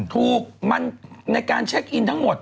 ถูกมันในการเช็คอินทั้งหมด